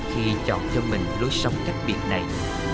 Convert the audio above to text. khi chọn cho mình lối sống khác biệt này